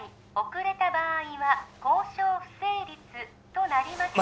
遅れた場合は交渉不成立となります